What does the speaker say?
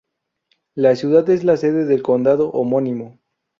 La ciudad es la sede del condado homónimo.